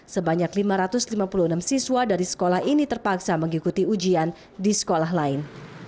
sebanyak lima ratus lima puluh enam siswa dari sekolah ini terpaksa mengikuti ujian di sekolah lain